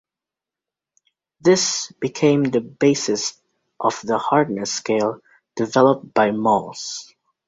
This became the basis of the hardness scale developed by Mohs.